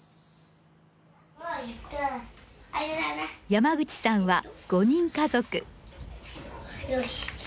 山口さんは５人家族。